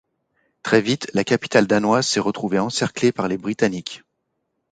Très vite la capitale danoise s'est retrouvée encerclée par les Britanniques.